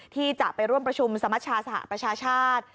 ที่จะไปร่วมประชุมสมชาสหประชาชาติ